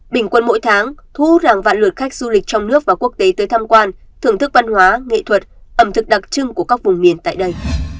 bình quân mỗi tháng thu hút hàng vạn lượt khách du lịch trong nước và quốc tế tới tham quan thưởng thức văn hóa nghệ thuật ẩm thực đặc trưng của các vùng miền tại đây